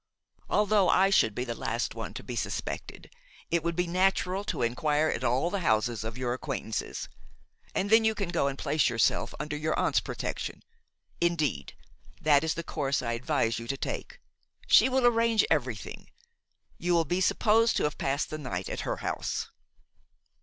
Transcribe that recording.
Although I should be the last one to be suspected, it would be natural to inquire at the houses of all of your acquaintances. And then you can go and place yourself under your aunt's protection; indeed, that is the course I advise you to take; she will arrange everything. You will be supposed to have passed the night at her house."